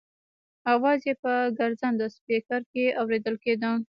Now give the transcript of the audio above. اواز یې په ګرځنده سپېکر کې اورېدل کېده.